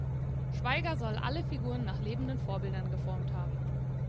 Schweigger soll alle Figuren nach lebenden Vorbildern geformt haben.